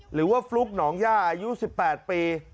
หรือว่าฟลุ๊กหนองย่าอายุ๑๘ปี